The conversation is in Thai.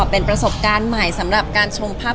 เป็นประสบการณ์ใหม่สำหรับการชมภาพ